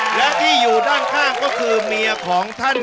และที่อยู่ด้านข้างก็คือเมียของท่าน